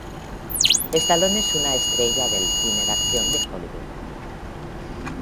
Stallone es una estrella del cine de acción de Hollywood.